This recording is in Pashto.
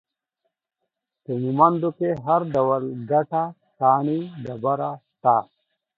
په مومند کې هر ډول ګټه ، کاڼي ، ډبره، شته